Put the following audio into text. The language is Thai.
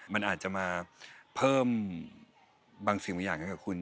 มันอาจจะมาเพิ่มบางสิ่งบางอย่างให้กับคุณ